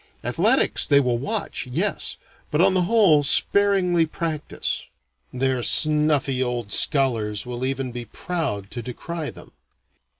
Athletics they will watch, yes, but on the whole sparingly practise. Their snuffy old scholars will even be proud to decry them.